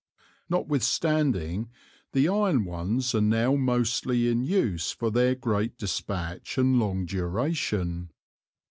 Notwithstanding the Iron ones are now mostly in Use for their great Dispatch and long Duration.